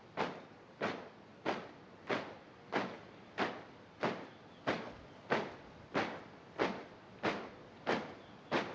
laporan komandan upacara kepada inspektur upacara